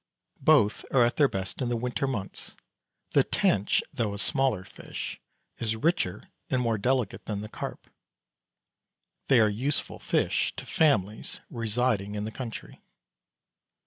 Both are at their best in the winter months. The tench, though a smaller fish, is richer and more delicate than the carp. They are useful fish to families residing in the country.